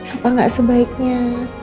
apa gak sebaiknya